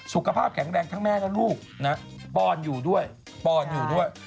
สุขภาพแข็งแรงทั้งแม่กับลูกปอนอยู่ด้วย